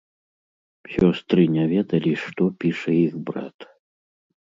Сёстры не ведалі, што піша іх брат.